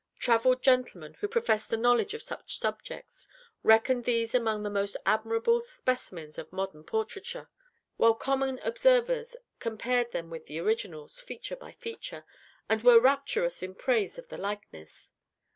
Travelled gentlemen, who professed a knowledge of such subjects, reckoned these among the most admirable specimens of modern portraiture; while common observers compared them with the originals, feature by feature, and were rapturous in praise of the likeness.